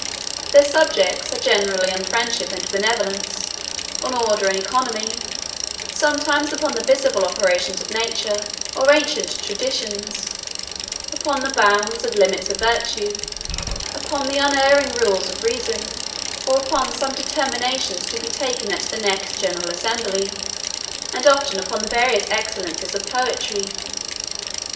Their subjects are, generally on friendship and benevolence, on order and economy; sometimes upon the visible operations of nature, or ancient traditions; upon the bounds and limits of virtue; upon the unerring rules of reason, or upon some determinations to be taken at the next great assembly: and often upon the various excellences of poetry.